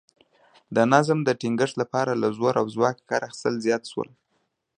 د نظم د ټینګښت لپاره له زور او ځواکه کار اخیستل زیات شول